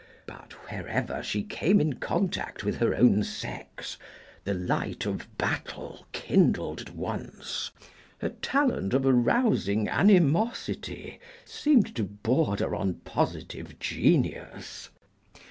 But wherever she came in contact with her own sex the light of battle kindled at once; her talent of arousing animosity seemed to border on positive genius.